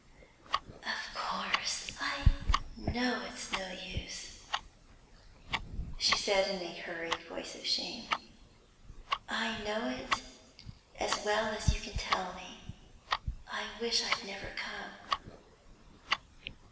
'Of course, I know it's no use,' she said in a hurried voice of shame. 'I know it as well as you can tell me. I wish I'd never come.'